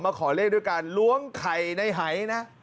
มาขอเลขด้วยกันหลวงไข่ในหายนะ